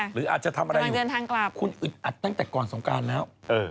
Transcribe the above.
หรืออาจจะทำอะไรอยู่เดินทางกลับคุณอึดอัดตั้งแต่ก่อนสงการแล้ว